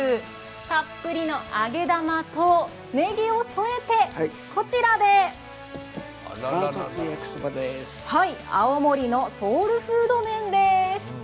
たっぷりの揚げ玉とねぎを添えてこちらで青森のソウルフード麺です。